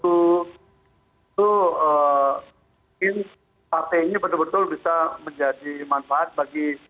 itu mungkin partainya betul betul bisa menjadi manfaat bagi